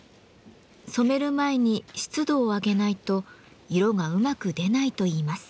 染める前に湿度を上げないと色がうまく出ないといいます。